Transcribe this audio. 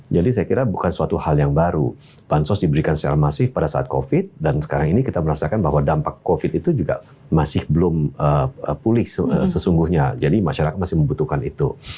jadi saya kira bukan suatu hal yang baru bansos diberikan secara masif pada saat covid dan sekarang ini kita merasakan bahwa dampak covid itu juga masih belum pulih sesungguhnya jadi masyarakat masih membutuhkan itu